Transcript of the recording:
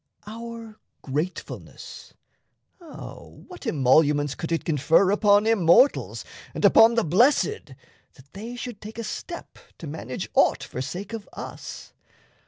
Our gratefulness, O what emoluments could it confer Upon Immortals and upon the Blessed That they should take a step to manage aught For sake of us?